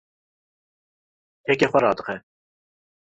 çekê xwe radixe